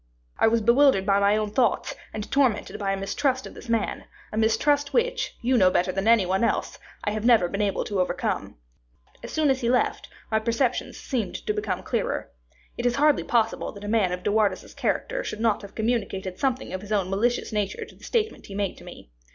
I was bewildered by my own thoughts, and tormented by a mistrust of this man, a mistrust which, you know better than any one else, I have never been able to overcome. As soon as he left, my perceptions seemed to become clearer. It is hardly possible that a man of De Wardes's character should not have communicated something of his own malicious nature to the statements he made to me.